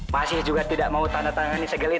bila kamu suka bersikap b b investigated